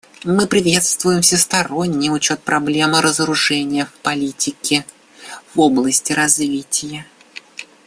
Мы приветствуем всесторонний учет проблем разоружения в политике в области развития.